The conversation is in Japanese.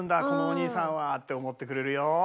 このお兄さんは」って思ってくれるよ。